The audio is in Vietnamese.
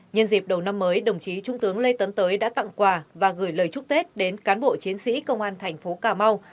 nhân dịp đầu năm mới đồng chí trung tướng lê tấn tới đã tặng quà và gửi lời chúc tết đến cán bộ chiến sĩ công an thành phố cà mau